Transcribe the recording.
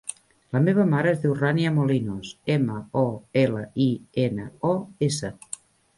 La meva mare es diu Rània Molinos: ema, o, ela, i, ena, o, essa.